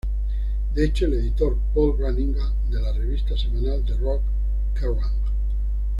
De hecho, el editor Paul Brannigan de la revista semanal de "rock" Kerrang!